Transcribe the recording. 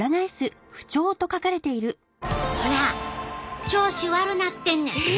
ほら調子悪なってんねん！